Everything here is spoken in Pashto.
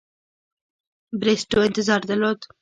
بریسټو انتظار درلود.